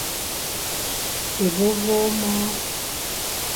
Évôvô é môr.